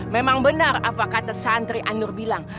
memang benar apa kata santri anur bilang